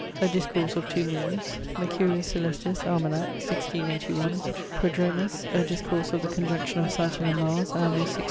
A discourse of two moones. Mercurius Coelestis (almanack), 1681. Prodromus, a discourse of the conjunction of Saturn and Mars, anno 1680.